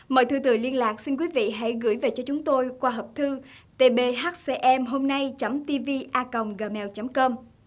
mời thưa thưa liên lạc xin quý vị hãy gửi về cho chúng tôi qua hộp thư tbhcmhomnay tva gmail com